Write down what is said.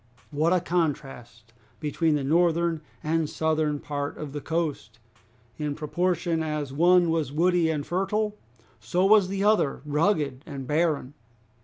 What a contrast between the northern and southern part of the coast! In proportion as one was woody and fertile so was the other rugged and barren!